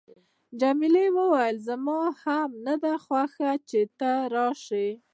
جميلې وويل: زما هم نه ده خوښه چې ته لاړ شې.